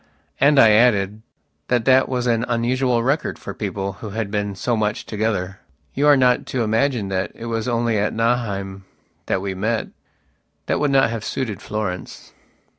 And I added, that that was an unusual record for people who had been so much together. You are not to imagine that it was only at Nauheim that we met. That would not have suited Florence.